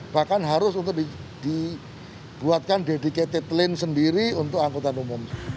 bahkan harus untuk dibuatkan dedicated lane sendiri untuk angkutan umum